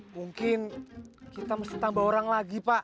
mungkin kita mesti tambah orang lagi pak